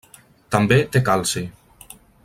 També té calci.